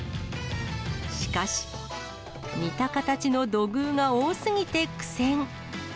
しかし、似た形の土偶が多すぎて苦戦。